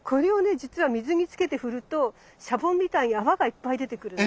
じつは水につけて振るとシャボンみたいに泡がいっぱい出てくるの。